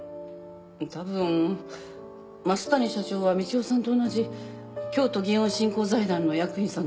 たぶん増谷社長は道夫さんと同じ京都祇園振興財団の役員さんだから。